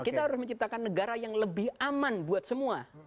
kita harus menciptakan negara yang lebih aman buat semua